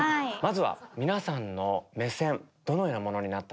まずは皆さんの目線どのようなものになったのか。